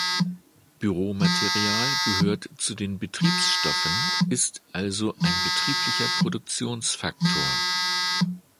Büromaterial gehört zu den Betriebsstoffen, ist also ein betrieblicher Produktionsfaktor.